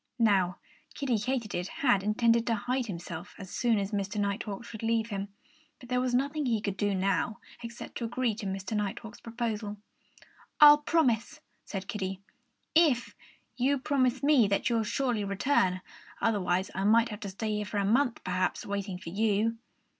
Now, Kiddie Katydid had intended to hide himself as soon as Mr. Nighthawk should leave him. But there was nothing he could do now except to agree to Mr. Nighthawk's proposal. "I'll promise," said Kiddie, "if you'll promise me that you'll surely return. Otherwise I might have to stay here for a month, perhaps, waiting for you."